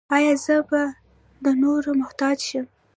ایا زه به د نورو محتاج شم؟